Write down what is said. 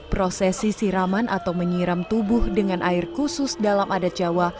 prosesi siraman atau menyiram tubuh dengan air khusus dalam adat jawa